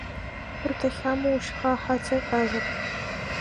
Урҭ ахьамоу шьха-ҳацаҟьазар…